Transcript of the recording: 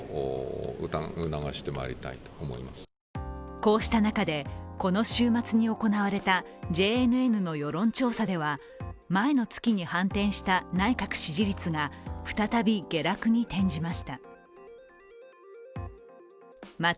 こうした中でこの週末に行われたＪＮＮの世論調査では前の月に反転した内閣支持率が再び下落に転じました。